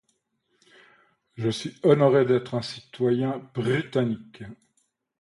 Je suis honoré d'être un citoyen britannique.